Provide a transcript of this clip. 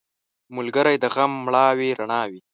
ملګری د غم مړاوې رڼا وي